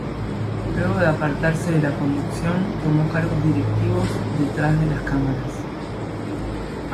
Luego de apartarse de la conducción tomó cargos directivos detrás de las cámaras.